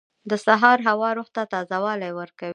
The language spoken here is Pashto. • د سهار هوا روح ته تازه والی ورکوي.